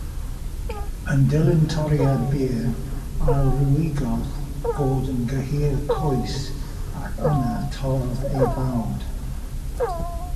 Yn dilyn toriad byr, ailrwygodd Gordon gyhyr coes ac yna torrodd ei fawd.